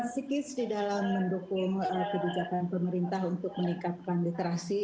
psikis di dalam mendukung kebijakan pemerintah untuk meningkatkan literasi